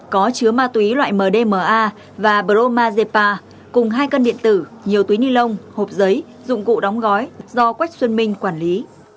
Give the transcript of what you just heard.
có chứa ma túy loại mdma và bromazepa cùng hai cân điện tử nhiều túy nilon hộp giấy dụng cụ đóng gói do quách xuân minh quản lý